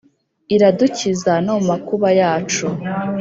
iradukiza no mu makuba yacu